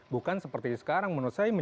bukan seperti sekarang menurut saya